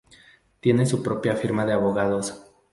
Tiene su propia firma de abogados.